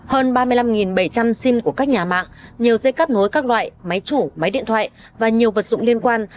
hơn ba mươi năm bảy trăm linh sim của các nhà mạng nhiều dây cắt nối các loại máy chủ máy điện thoại và nhiều vật dụng liên quan